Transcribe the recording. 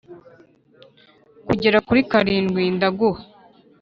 kugera kuri karindwi ndaguha